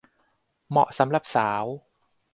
เหมาะสำหรับสาว